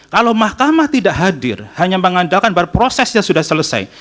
kalau mahkamah tidak hadir hanya mengandalkan bahwa prosesnya sudah selesai